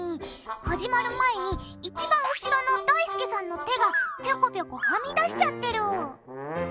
始まる前にいちばん後ろのだいすけさんの手がぴょこぴょこはみ出しちゃってる！